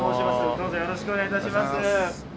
どうぞよろしくお願い致します。